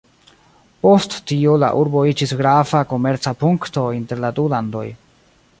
Post tio la urbo iĝis grava komerca punkto inter la du landoj.